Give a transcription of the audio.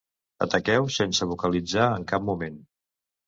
Ataqueu sense vocalitzar en cap moment.